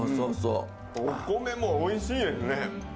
お米もおいしいですね。